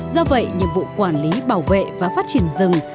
do vậy nhiệm vụ quản lý bảo vệ và phát triển rừng